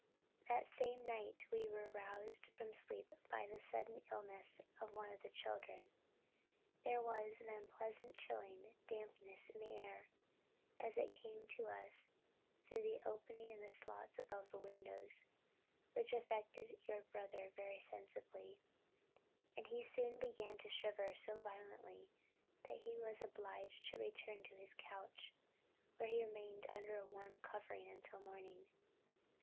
That same night we were roused from sleep by the sudden illness of one of the children. There was an unpleasant, chilling dampness in the air, as it came to us through the openings in the sloats above the windows, which affected your brother very sensibly, and he soon began to shiver so violently, that he was obliged to return to his couch, where he remained under a warm covering until morning.